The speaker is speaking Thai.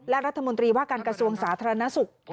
และรัฐมนตรีว่าการกระทรวงสาธารณสุข